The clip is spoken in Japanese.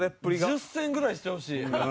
１０戦ぐらいしてほしい。